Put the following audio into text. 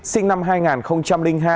sinh năm hai nghìn hai